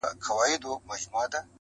له مكتبه مي رهي كړله قمار ته -